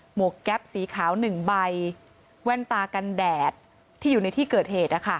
วกแก๊ปสีขาว๑ใบแว่นตากันแดดที่อยู่ในที่เกิดเหตุ